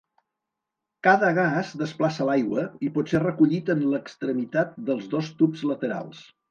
Cada gas desplaça l'aigua i pot ser recollit en l'extremitat dels dos tubs laterals.